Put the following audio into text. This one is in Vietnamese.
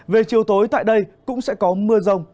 về chiều tối tại đây cũng sẽ có mưa rông